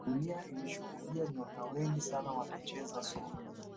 dunia ilishuhudia nyota wengi sana wakicheza soka